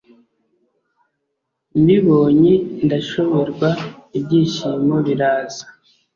mbibonye ndashoberwa ibyishimo biraza